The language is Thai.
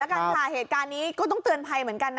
แล้วกันค่ะเหตุการณ์นี้ก็ต้องเตือนภัยเหมือนกันนะ